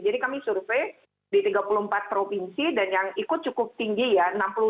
jadi kami survei di tiga puluh empat provinsi dan yang ikut cukup tinggi ya